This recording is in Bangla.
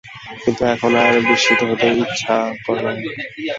কিন্তু এখন আর বিস্মিত হতে ইচ্ছা করে না।